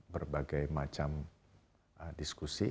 berbagai macam diskusi